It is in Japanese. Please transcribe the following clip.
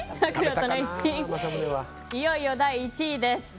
いよいよ第１位です。